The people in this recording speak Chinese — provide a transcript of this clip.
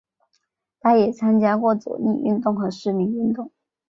他也参加过左翼运动和市民运动。